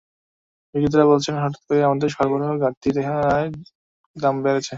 বিক্রেতারা বলছেন, হঠাৎ করে আদার সরবরাহে ঘাটতি দেখা দেওয়ায় দাম বেড়েছে।